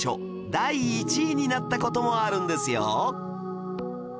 第１位になった事もあるんですよ